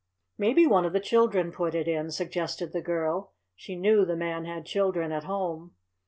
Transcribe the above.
"Maybe one of the children put it in," suggested the girl. She knew the Man had children at home.